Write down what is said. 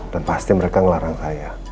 dan pasti mereka ngelarang saya